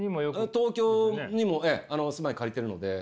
東京にも住まい借りてるので。